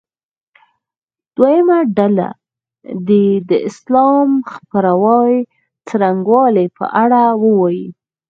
دویمه ډله دې د اسلام د خپراوي څرنګوالي په اړه ووایي.